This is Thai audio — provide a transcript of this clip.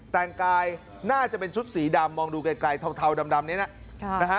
แต่งกายน่าจะเป็นชุดสีดำมองดูไกลเทาดำนี้นะ